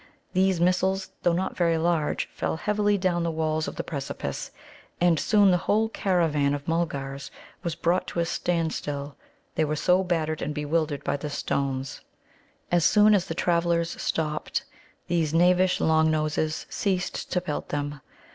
These missiles, though not very large, fell heavily down the walls of the precipice. And soon the whole caravan of Mulgars was brought to a standstill, they were so battered and bewildered by the stones. As soon as the travellers stopped, these knavish Long noses ceased to pelt them.